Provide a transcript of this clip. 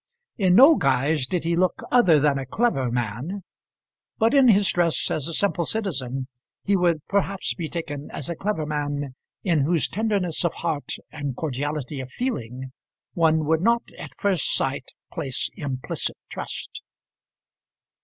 In no guise did he look other than a clever man; but in his dress as a simple citizen he would perhaps be taken as a clever man in whose tenderness of heart and cordiality of feeling one would not at first sight place implicit trust.